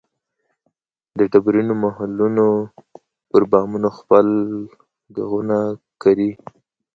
د ډبرینو محلونو پر بامونو خپل ږغونه کري